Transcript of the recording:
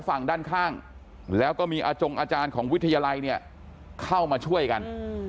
ฝั่งด้านข้างแล้วก็มีอาจงอาจารย์ของวิทยาลัยเนี่ยเข้ามาช่วยกัน